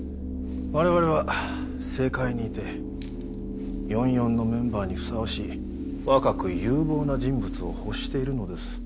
我々は政界にいて４４のメンバーにふさわしい若く有望な人物を欲しているのです。